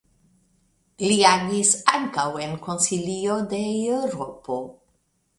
Li agis ankaŭ en Konsilio de Eŭropo.